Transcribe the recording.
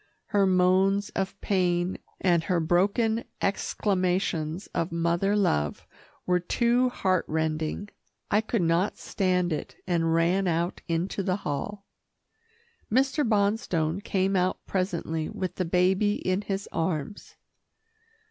Her moans of pain, and her broken exclamations of mother love were too heart rending. I could not stand it, and ran out into the hall. Mr. Bonstone came out presently with the baby in his arms.